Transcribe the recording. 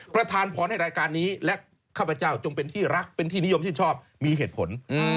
ประธานพรให้รายการนี้และข้าพเจ้าจงเป็นที่รักเป็นที่นิยมชื่นชอบมีเหตุผล